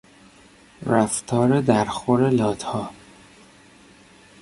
رفتار در خور لاتها